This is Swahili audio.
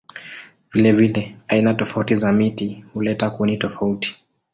Vilevile aina tofauti za miti huleta kuni tofauti.